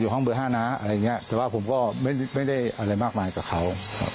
ห้องเบอร์๕นะอะไรอย่างเงี้ยแต่ว่าผมก็ไม่ได้อะไรมากมายกับเขา